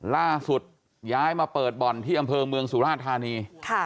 ล่าสุดย้ายมาเปิดบ่อนที่อำเภอเมืองสุราธานี